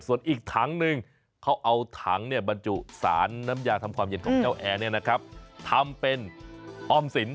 ส่วนอีกถังหนึ่งเขาเอาถังบรรจุสารน้ำยาทำความเย็นของเจ้าแอร์ทำเป็นออมสิน